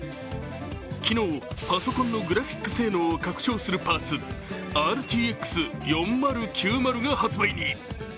昨日、パソコンのグラフィック性能を向上させるパーツＲＴＸ４０９０が発売に。